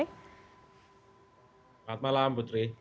selamat malam putri